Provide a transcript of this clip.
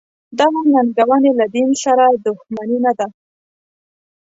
دغه ننګونې له دین سره دښمني نه ده.